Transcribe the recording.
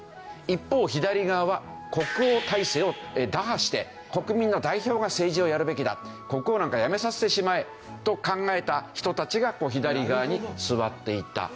一方左側は国王体制を打破して国民の代表が政治をやるべきだ国王なんかやめさせてしまえと考えた人たちが左側に座っていた。